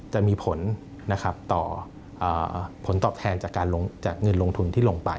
จะมีผลตอบแทนจากเงินลงทุนที่ลงไป